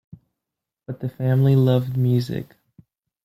But the family loved music.